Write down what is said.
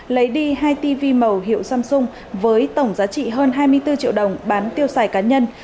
lấy đi hai tv màu hiệu samsung với tổng giá trị hơn hai mươi bốn triệu đồng bán tiêu xài cá nhân